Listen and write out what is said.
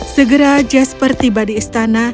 segera jasper tiba di istana